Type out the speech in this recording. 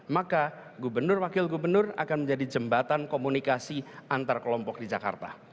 maka gubernur wakil gubernur akan menjadi jembatan komunikasi antar kelompok di jakarta